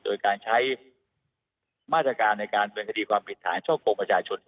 โดยการใช้มาตรการในการเป็นคดีความผิดฐานช่อโกงประชาชน